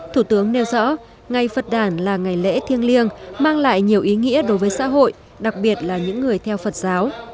thủ tướng nêu rõ ngày phật đản là ngày lễ thiêng liêng mang lại nhiều ý nghĩa đối với xã hội đặc biệt là những người theo phật giáo